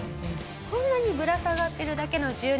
こんなにぶら下がってるだけの１０年間。